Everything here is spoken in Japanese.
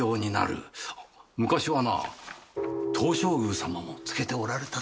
昔はな東照宮様も着けておられたそうだ。